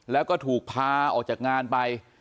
แล้วก็ถูกพาออกจากงานไป